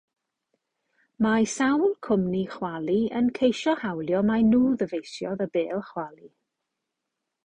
Mae sawl cwmni chwalu yn ceisio hawlio mai nhw ddyfeisiodd y bêl chwalu.